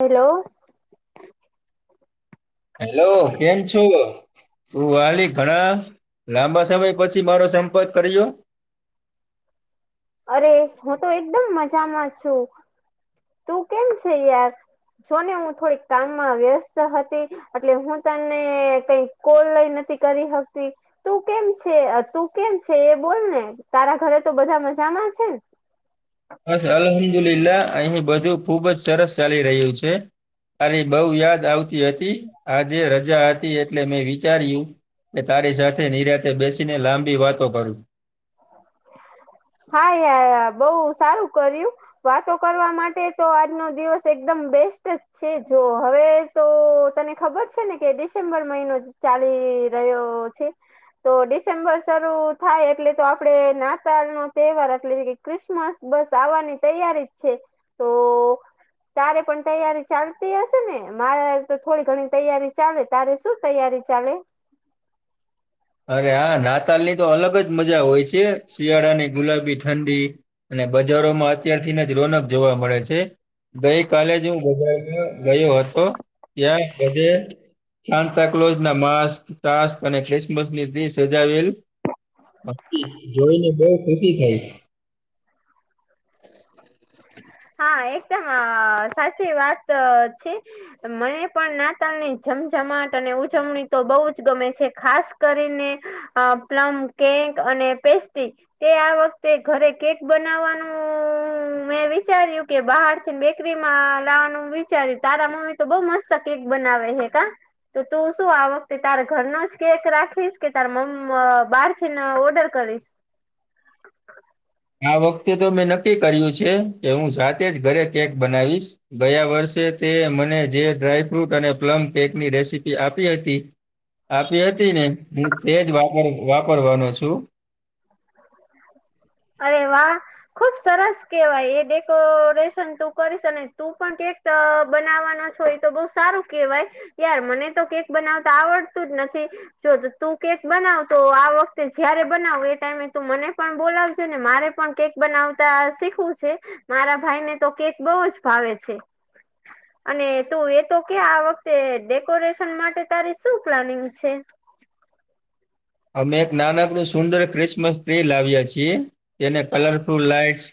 Hello hello કેમ છો વાલી ઘણા લાંબા સમય પછી મારો સંપર્ક કર્યો અરે હું તો એકદમ મજામાં છું. તું કેમ છે યાર જોને હું થોડીક કામમાં વ્યસ્ત હતી. એટલે હું તને કઈ કોલ લઈ નથી કરી શકતી. તું કેમ છે તું કેમ છે એ બોલને તારા ઘરે તો બધા મજામાં છે ને બસ અલ્મદુલ્લા અહીં બધું ખુબ જ સરસ ચાલી રહ્યું છે. તારી બહુ યાદ આવતી હતી આજે રજા હતી એ એટલે મેં વિચાર્યું કે તારી સાથે નિરાતે બેસીને લાંબી વાતો કરું હા ય બહુ સારું કર્યું વાતો કરવા માટે તો આજનો દિવસ એકદમ બેસ્ટ જ છે જો હવે તો તને ખબર છેને કે ડિસેમ્બર મહિનો ચાલી રહ્યો છે તો ડિસેમ્બર શરૂ થાય એટલે તો આપડે નાતાલ નો તહેવાર એટલે ક્રિસમસ બસ આવવાની તૈયારી જ છે. તો તારે પણ તૈયારી ચાલતી હશે ને મારે તો થોડી ઘણી તૈયારી ચાલે તારે શું તૈયારી ચાલે? અરે હા નાતાલ ની તો અલગ જ મજા હોય છે શિયાળાની ગુલાબી ઠંડી અને બજારોમાં અત્યારથીને જ રોનક જોવા મળે છે. ગઈ કાલે જ હું બજ ગયો હતો ત્યાં બધે સાતા કલોઝ ના માસ્ક ટાસ્ક અને બસની ભી સજાવેલ જોઈને બહુ ખુશી થઈ. હા એકદમ સાચી વાત છે. મને પણ નાતાલની જમઝમાટ અને ઉજવણી તો બહુ જ ગમે છે ખાસ કરીને અ પ્લમ, કેક અને પેસ્ટી તે આ વખતે ઘરે કેક બનાવાનું મે વિચ વિચાર્યું કે બહારથી ને બેકરીમાં લાવાનું વિચાર્યું તારા મમ્મી તો બહુ મસ્ત કેક બનાવે હે કા? તો તું શું આ વખતે તારા ઘરના જ કેક રાખીશ કે તારા મમ્મ બહારથી ને ઓર્ડર કરીશ? આ વખતે તો મેં નક્કી કર્યું છે કે હું જાતે જ ઘરે કેક બનાવીશ. ગયા વર્ષે તે મને જે ડ્રાયફ્રૂટ અને પ્લમકેક ની રેસીપી આપી હતી. આપી હતી ને હું તેજ વાપર વાપરવાનો છું. હ અરે વાહ! ખુબ સરસ કેવાય એ ડેકોરેશન તું કરીશ અને તું પણ કેક ત બનાવાનો છો ઈતો બહુ સારું કેહેવાય. યાર મને તો કેક બનાવતા આવડતું જ નથી. જો તો તું કેક બનાવ તો આ વખતે જયારે બનાવ એ ટાઈમે તો મને પણ બોલાવ જેને મારે પણ કેક બનાવતા શીખવું છે. મારા ભાઈને તો કેક બઉ જ ભાવે છે. અને તું એ તો કે આ વખતે ડેકોરેશન માટે તારી શું પ્લાનિંગ છે? અમે એક નાનકડું સુંદર ક્રિસમસ ટ્રી લાવ્યા છીએ. તેને કલરફુલ લાઈટસ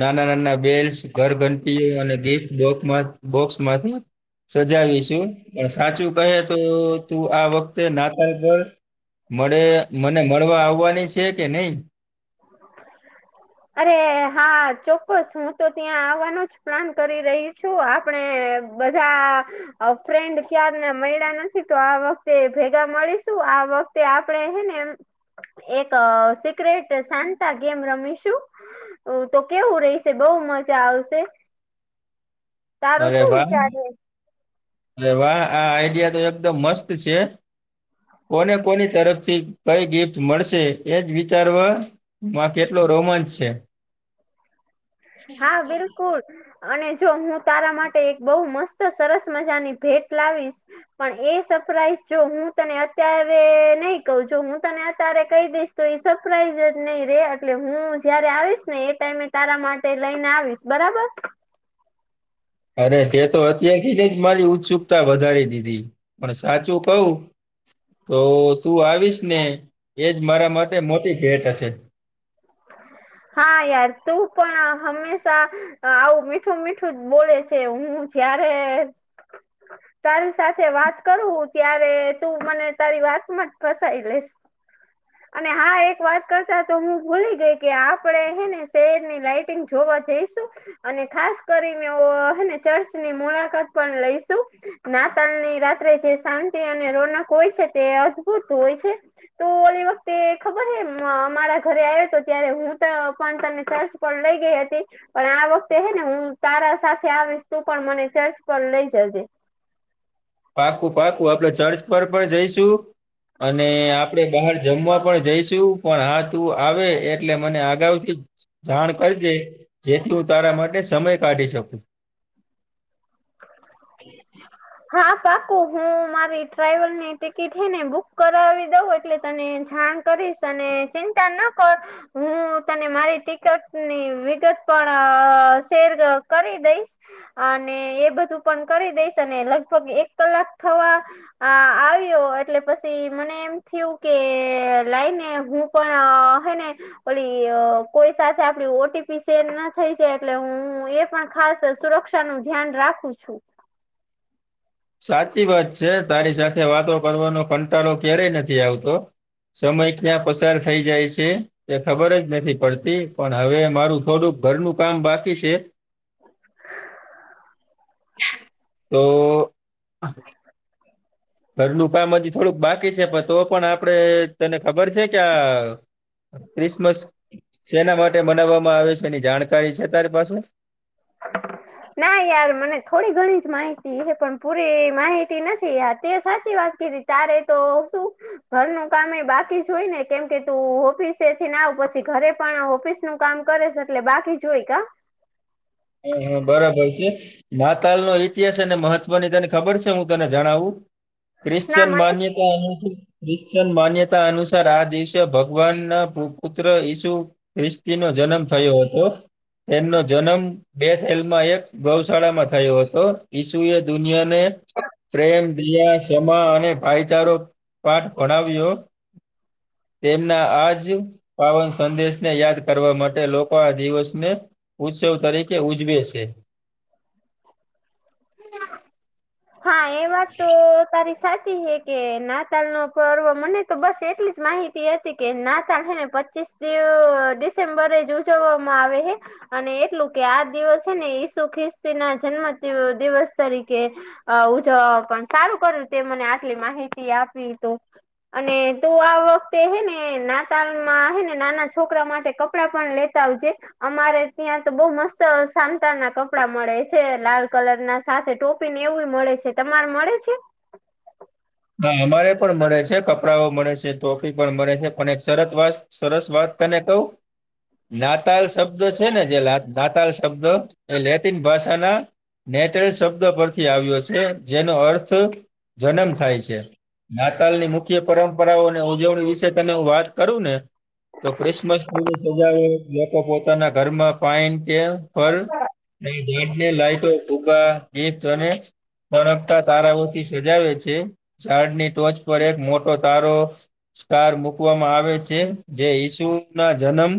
નાના નાના બેલ્સ, ઘરઘંટી અને દીપ બોકમાં બોક્સમાંથી સજાવીશું પણ સાચું કહે તો તું આ વખતે નાતાલ પર મળે મને મળવા આવવાની છે કે નહી? અરે હા ચોક્કસ હું તો ત્યાં આવવાનો જ પ્લાન કરી રહી છું આપણે બધાં અ ફ્રેન્ડ ક્યારના મળ્યા નથી તો આ વખતે ભેગા મળીશું આ વખ તે આપણેે હે ને એમ એક સિક્રેટ તે શાંતા ગેમ રમીશું. તો કેવું રહીશે બઉ મજા આવશે. તારો અરે શું વાહ! વિચાર છે અરે વાહ! આ આઈડિયા તો એકદમ મસ્ત છે. કોને કોની તરફથી કઈ ગિફ્ટ મળશે એજ વિચારવા માં કેટલો રોમાંચ છે. હા બિલકુલ. અને જો હું તારા માટે એક બહુ મસ્ત સરસ મજાની ભેટ લાવીશ. પણ એ સપ્રાઈઝ જો હું તને અત્યારે નહી કઉં જો હું તને અતારે કહી દઈશ તો ઈ સપ્રાઈઝ જ નહી રે એટલે હું જયારે આવીશને એ ટાઈમે તારા માટ ટે લઈને આવીશ બરાબર. અરે તે તો અત્યારથીને જ મારી ઉત્સુકતા વધારી દીધી. પણ સાચું કઉં તો તું આવીશને એજ મારા માટે મોટી ભેટ હશે. હા યાર તું પણ હંમેશા આવું મીઠું મીઠું જ બોલે છે હું જયારે તારી સાથે વાત કરું ત્યારે તું મને તારી વાતમાં જ ફસાઈ લેસ. અને હા એક વાત કરતા તો હું ભૂલી ગઈ કે આપણેે હેને શહેરની લાઈટિંગ જોવા જઈશું? અને ખાસ કરીને હેને ચર્ચની મુલાકાત પણ લઈસુ નાતાલની રાત્રે જે શાંતિ અને રોનક હોય છે તે અદભુત હોય છે. તું ઓલી વખ તે ખબર હે અમ અમારા ઘરે આયો તો ત્યારે હું ત પણ તને ચર્ચ પર લઈ ગઈ હતી. પણ આ વખતે હે ને હું તારા સાથે આવીશ તું પણ મને ચર્ચ પણ લઈ જજે પાકું પાકું આપડ ચર્ચ પર પણ જઈશું. અને આપડે બહાર જમવા પણ જઈશું પણ હા તું આવે એટલે મને અગાઉથી જ જાણ કરજે જેથી હું તારા માટે સમય કાઢી શકું હા પાકુ હું મારી ટ્રાવેલ ની ટિકિટ હ ને બુક કરાવી દઉં એટલે તને જાણ કરીશ અને ચિંતા ન કર હું તને મારી ટિકટની વિગત પણ શેર કરી દઈશ અને એ બધું પણ કરી દઈશ અને લગભગ એક કલાક થવા અ આવ્યો એટલે પછી મને એમ થયું કે લાઈને હું પણ હને પલી કોઈ સાથે આપડી ઓટીપી સેડ ના થઈ છે એટલે હું એ પણ ખાસ સુરક્ષ ા નું ધ્યાન રાખું છું. સાચી વાત છે તારી સાથે વાતો કરવાનો કંટાળો ક્યારેય નથી આવતો સમય ક્યાં પસાર થઈ જાય છે. એ ખબર જ નથી પડતી પણ હવે મારું થોડુંક ઘરનું કામ બાકી છે. તો ઘરનુંું પાામજી થોડુંક બાકી છે પણ તો પણ આપણે તને ખબર છે કે ક્રિસમસ શેના માટે મનાવવામાં આવે છે એની જાણકારી છે તારી પાસે [inaudible] ના યાર મને થોડી ઘણી જ માહિતી હ પણ પૂરી માહિતી નથી યાર તે સાચી વાત કીધી તારે તો શું ઘરનું કામ બાકી જો હોય ને કેમકે તું ઓફિસે થી ના આવ પછી ઘરે પણ ઓફિસ નું કામ કરે છે એટલે બાકી જોઈ કા હ હા બરાબર છે નાતાલ નો ઇતિહાસ અને મહત્વની તને ખબર છે હું તને જણાવું ના ક્રિશ્ચન મને માન્ય કનું છે ક્રિશ્ચન માન્યતા અનુસાર આ દિવસે ભગવાન ના પુત્ર ઈસુ ખ્રિસ્તી નો જન્મ થયો હતો. તેમનો જન્મ બે થલમાં એક ગૌશાળામાં થયો હતો ઈસુએ દુનિયાને પ્રેમ દિયા કમા અને ભાઈચારો પાઠ ભણાવ્યો તેમના આજ પાવન સંદેશને યાદ કરવા માટે લોકો આ દિવસને ઉત્સવ તરીકે ઉજવે છે. હા એ મ તારી સાચી હ કે નાતાલ નો પર્વ મને તો બસ એટલી જ માહિતી હતી કે નાતાલ હેને પચીસ ડિસેમ્બરે જ ઉજવવામાં આવે છે. અને એટલું કે આ દિવસ છે ને ઈસુ ખ્રિસ્તી ના જન્મ દિવસ તરીકે ઉજ પણ સારું કર્યું તે મને આટલી માહિતી આપી તો અને તું આ વખતે હેને નાતાલમાં હેને નાના છોકરા માટે કપડાં પણ લે ચ આવ છેે. અમારે ત્યાં તો બઉ મસ્ત સાંતા ના કપડા મળે છે લાલ કલર ના સાથે ટોપીને એવું મળે છે તમારે મળે છે. હા અમારે પણ મડે છે કપડાંઓ મળે છે ટોફી પણ મળે છે પણ એક સરસ વાસ સરસ વાત તને કહું. નાતાલ શબ્દો છે ને જે નાતાલ શબ્દો એ લેટિન ભાષાના નેટેલ શબ્દ પરથી આવ્યો છે જેનો અર્થ જન્મ થાય. છે નાતાલની મુખ્ય પરંપરાઓ અને ઉજવણી વિશે તને હું વાત કરું ને તો ક્રિસમસ ટ્રીની સજા એ લોકો પોતાના ઘરમાં પાાઈન કે [unintelligible] ઘેર ને લાઈટો ફુગ્ગા કે ચને ફરકતા તારાઓથી સજાવે છે, ઝાડની ટોચ પર એક મોટો તારો સ્ટાર મુકવામાં આવે છે જે ઈસુ ના જનમ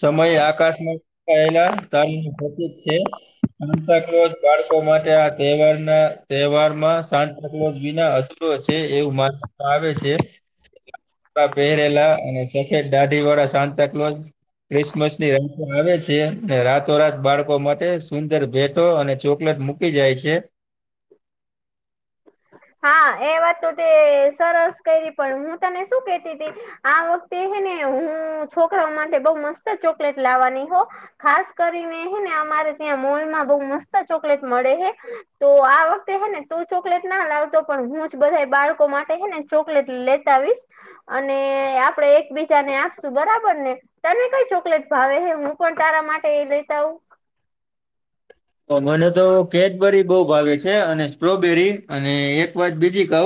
સમય આકાશમાં આયલા [unintelligible] છે. સાન્તા કોલ્ઝ બાળકો માટે આ તહેવાર ના તહેવારમાં સાન્તા ક્લૉઝ વિના અધુ રૂ છે, એવું માન આવે છે. કપડાં પહેરેલા અને સફેદ દાઢી વાળા સાન્તા ક્લૉઝ ક્રિસમસ ની રાતે આવે છે અને રાતોરાત બાળકો માટે સુંદર ભેટો અને ચોકલેટ મુક મુકી જાય છે. હા એ વાત તો તે સરસ કરી પણ હું તને શું કેતી હતી. આ વખતે હેને હું છોકરાઓ માટે બઉ મસ્ત ચોકલેટ લાવવાની હો. ખાસ કરીને હેને અમારે ત્યાં મોલમાં બઉ મસ્ત ચોકલેટ મળે હે. તો આ વખતે હે ને તું ચોકલેટ ના લાવ તો પણ હું જ બધા બાળકો માટે હેને ચોકલેટ લેતા આવીશ. અને આપડે એકબીજાને આપશું બરાબર ને. તને કઈ ચોકલેટ ભાવે હે હું પણ તારા માટે લેતા આવુ. મને તો કેડબરી બહુ ભાવે છે અને સ્ટ્રોબેરી અને એક વાત બીજી કઉ.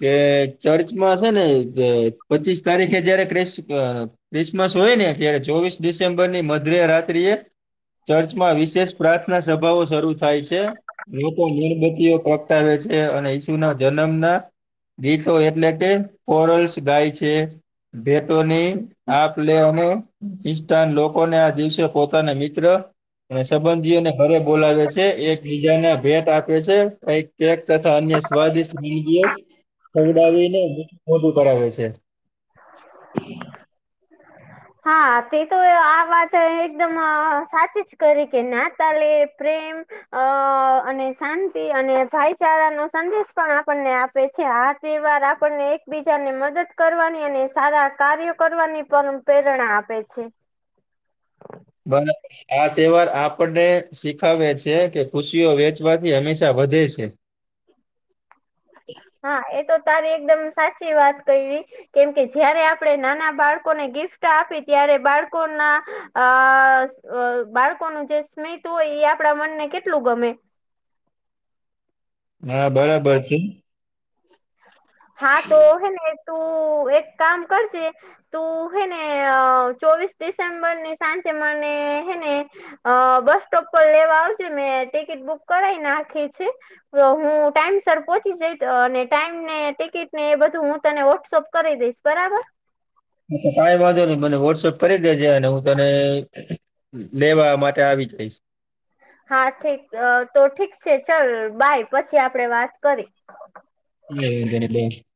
કે ચર્ચમાં છેને પચીસ તારીખે જયારે ક્રિસ્ ક્રિસમસ હોય ને અત્યારે ચોવીસ ડિસેમ્બર ની મધ્ય રાત્રી એ ચર્ચમાં વિશેષ પ્રાર્થના સભાઓ શરૂ થાય છે. લોકો મીણબત્તીઓ પ્રગટાવે છે અને ઈસુ ના જન્મના. દીઠો એટલે કે પોરલ્સ ગાય છે. ભેટોની આપ લેવામ ખ્રિસ્ટન લોકોને આ દિવસે પોતાના મિત્ર અને સંબંધીઓને. ઘરે બોલાવે છે એક બીજાને ભેટ આપે છે, કઇક કેક તથા અન્ય સ્વાદિષ્ટ વિનગી. સમદાવે ન મોટું કરાવે છે. હા તે તો આ વાત એકદમ એ સાચી જ કરી કે નાતાલે પ્રેમ. અ અને શાંતિ અને ભાઈચારા નો સંદેશ પણ આપણને આપ છે આ તેહેવાર આપણને એકબીજાને મદદ કરવાની અને સારા કાર્યો કરવાની પરં પ્રેરણા આપે છે. બંધ [inaudible] આ તહેવાર આપને શીખાવે છે કે ખુશીઓ વેચવાથી હંમેશા વધે છે. હા એ તો તારી એકદમ સાચી વાત કઈ. કેમકે જયારે આપણે નાના બાળકોને ગિફ્ટ આપી ત્યારે બાળકોના અ અ બાળકોનું જે સ્મિત હોય એ આપડા મનને કેટલું ગમે. હા બરાબર છે. હા તો હેને તું એક કામ કરજે. તું હે ને ચોવીસ ડિસેમ્બર ની સાંજે મને હેને અ બસ સ્ટોપ પર લેવા આવજે મેં ટિકિટ બુક કરાઈ નાખી છે. તો હું ટાઈમસર પહોંચી જઈશ અને. ટાઈમ ને ટિકિટ ને એ બધું હું તને વોટ્સઅપ કરી દઈશ બરાબર. કઈમ વાંધો નહી મને વોટ્સપ કરી દેજે અને હું તને. લેવા માટે આવી જઈશ. હા ઠીક અ તો ઠીક છે ચલ બાય પછી આપડે વાત કરી. એ